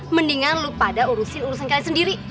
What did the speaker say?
mendingan lu pada urusin urusan kalian sendiri